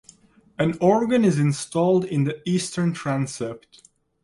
An organ is installed in the eastern transept.